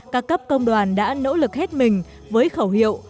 các cấp công đoàn đã nỗ lực hết mình với khẩu hiệu